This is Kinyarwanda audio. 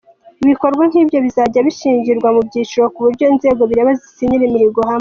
Ibikorwa nk’ ibyo bizajya bishyirwa mu byiciro, ku buryo inzego bireba zisinyira imihigo hamwe.